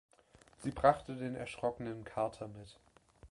Sie brachte den erschrockenen Carter mit.